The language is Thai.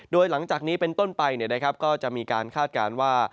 โดยหลังจากนี้เป็นต้นไปก็จะมีการคาดการณ์ว่า